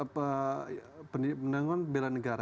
pendangkuan bela negara